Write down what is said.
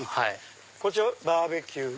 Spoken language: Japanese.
こっちがバーベキューの。